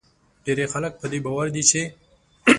ډیری خلک په دې باور دي چې